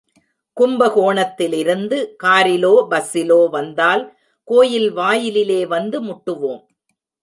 கும்பகோணத்திலிருந்து காரிலோ பஸ்ஸிலோ வந்தால் கோயில் வாயிலிலே வந்து முட்டுவோம்.